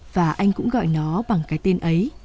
và anh cũng gọi nó bằng cái tên ấy